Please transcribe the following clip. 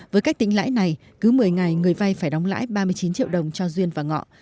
với cách tính lãi này cứ một mươi ngày người vay phải đóng lãi ba mươi chín triệu đồng cho duyên và ngọ